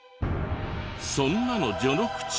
そんなの序の口。